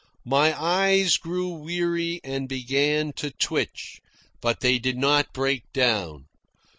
My eyes grew weary and began to twitch, but they did not break down.